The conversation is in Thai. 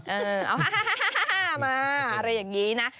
เอามาอะไรอย่างนี้นะ